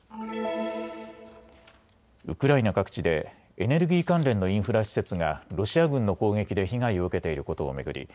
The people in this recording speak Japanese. ウクライナ各地でエネルギー関連のインフラ施設がロシア軍の攻撃で被害を受けていることを巡り